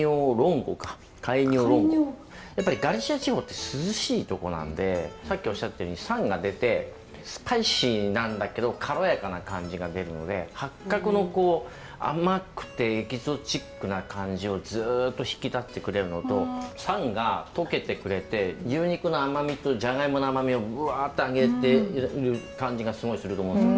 やっぱりガリシア地方って涼しいとこなんでさっきおっしゃってたように酸が出てスパイシーなんだけど軽やかな感じが出るので八角の甘くてエキゾチックな感じをずっと引き立ててくれるのと酸が溶けてくれて牛肉の甘みとジャガイモの甘みをぶわっと上げてる感じがすごいすると思うんですよ。